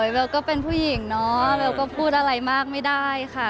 เบลก็เป็นผู้หญิงเนาะเบลก็พูดอะไรมากไม่ได้ค่ะ